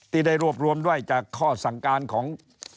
ที่ได้รวบรวมด้วยจากข้อสั่งการของ